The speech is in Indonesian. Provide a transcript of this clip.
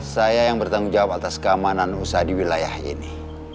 saya yang bertanggung jawab atas keamanan usaha di wilayah ini